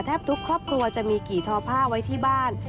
ทุกครอบครัวจะมีกี่ทอผ้าไว้ที่บ้าน